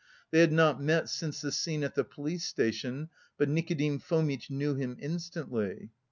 They had not met since the scene at the police station, but Nikodim Fomitch knew him instantly.